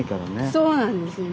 そうなんですよね。